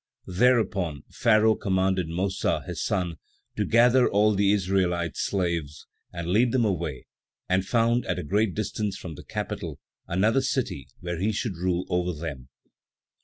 Thereupon, Pharaoh commanded Mossa, his son, to gather all the Israelite slaves, and lead them away, and found, at a great distance from the capital, another city where he should rule over them.